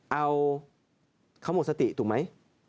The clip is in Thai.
เอาเขาหมดสติ